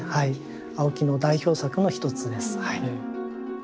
青木の代表作の一つですはい。